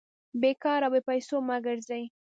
بې کاره او بې پېسو مه ګرځئ!